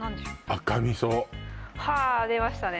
赤みそはあ出ましたね